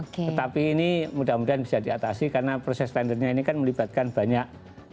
tetapi ini mudah mudahan bisa diatasi karena proses tendernya ini kan melibatkan banyak